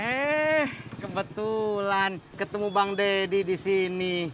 eh kebetulan ketemu bang deddy disini